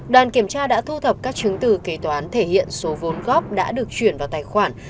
đoàn kiểm tra đã thu thập các chứng từ kế toán thể hiện số vốn góp đã được chuyển vào tài khoản